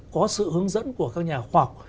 có sự hướng dẫn của các nhà khoa học